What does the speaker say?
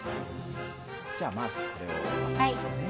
じゃあまずこれを渡すね。